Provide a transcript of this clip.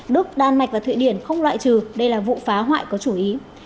đức đan mạch và thụy điển không loại trừ đây là vụ phá hoại có chú ý